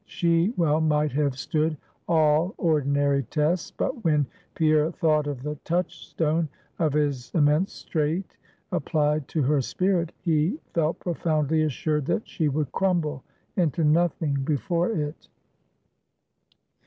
She well might have stood all ordinary tests; but when Pierre thought of the touchstone of his immense strait applied to her spirit, he felt profoundly assured that she would crumble into nothing before it.